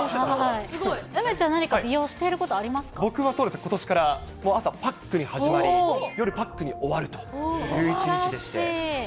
梅ちゃん、何か美容、してい僕はそうですね、ことしから朝、パックに始まり、夜、パックに終わるという一日ですばらしい。